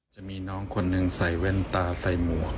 จะมีน้องคนหนึ่งใส่แว่นตาใส่หมวก